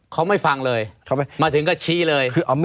เขาไม่ฟังเลยมาถึงก็ชี้เลย